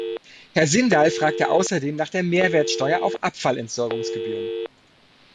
Herr Sindal fragte außerdem nach der Mehrwertsteuer auf Abfallentsorgungsgebühren.